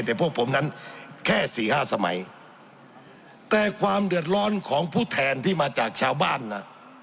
แต่พวกผมนั้นแค่สี่ห้าสมัยแต่ความเดือดร้อนของผู้แทนที่มาจากชาวบ้านนะ